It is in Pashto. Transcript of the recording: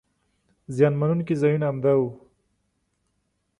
زیان مننونکي ځایونه همدا وو.